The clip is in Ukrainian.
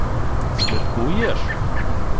— Збиткуєш?!